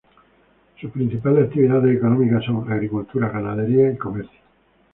Sus principales actividades económicas son: agricultura, ganadería y comercio.